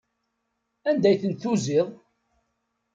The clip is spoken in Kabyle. Anda ay tent-tuziḍ?